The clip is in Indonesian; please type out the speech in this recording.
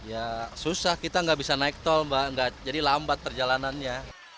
ya susah kita nggak bisa naik tol mbak jadi lambat perjalanannya